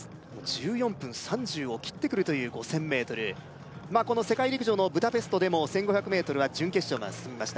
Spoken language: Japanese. １４分３０を切ってくるという５０００ｍまあこの世界陸上のブダペストでも１５００ｍは準決勝まで進みました